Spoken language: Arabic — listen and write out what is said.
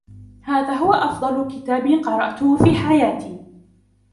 هذا هو أفضل كتاب قرأته في حياتي.